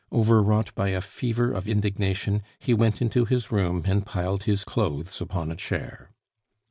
Overwrought by a fever of indignation, he went into his room and piled his clothes upon a chair.